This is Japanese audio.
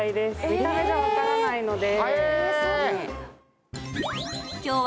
見た目じゃ分からないので。